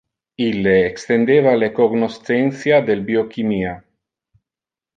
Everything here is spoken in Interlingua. Ille extendeva le cognoscentia del biochimia.